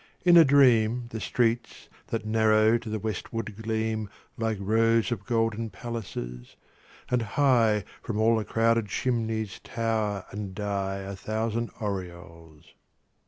In a dream The streets that narrow to the westward gleam Like rows of golden palaces; and high From all the crowded chimneys tower and die A thousand aureoles.